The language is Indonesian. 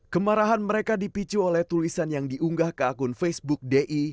kemarahan mereka dipicu oleh tulisan yang diunggah ke akun facebook di